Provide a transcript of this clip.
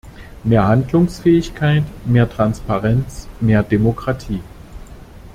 Mehr Handlungsfähigkeit, mehr Transparenz, mehr Demokratie.